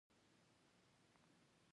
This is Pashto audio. د چیا دانه د څه لپاره اغیزمنه ده؟